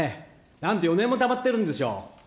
なんと４年もたまってるんですよ。